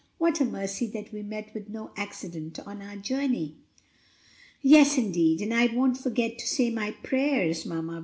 What a mercy that we met with no accident on our journey!" "Yes, indeed! and I won't forget to say my prayers, Mamma Vi."